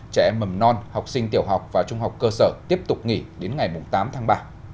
trẻ em mầm non học sinh tiểu học và trung học cơ sở tiếp tục nghỉ đến ngày tám tháng ba